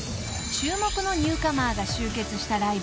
［注目のニューカマーが集結したライブ］